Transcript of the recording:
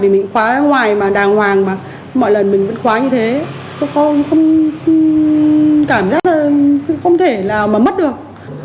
mình khóa ra ngoài mà đàng hoàng mà mọi lần mình vẫn khóa như thế cảm giác là không thể nào mà mất được